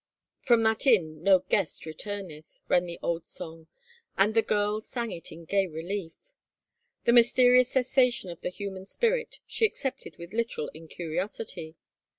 From that inn no guest retumeth," ran the old song and the girl sang it in gay relief. The mysterious cessation of the human spirit she accepted with literal incuriosity.